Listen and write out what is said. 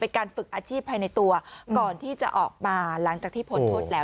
การฝึกอาชีพภายในตัวก่อนที่จะออกมาหลังจากที่พ้นโทษแล้ว